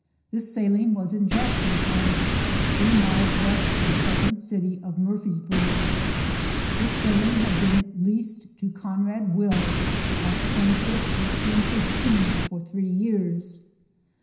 This saline was in Jackson county, three miles west of the present city of Murphysboro. This saline had been leased to Conrad Will, March 25, 1815 for three years.